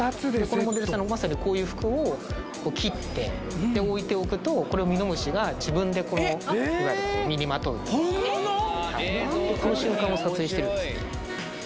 このモデルさんのまさにこういう服を切って置いておくとこれをミノムシが自分で身にまとうその瞬間を撮影してるんですね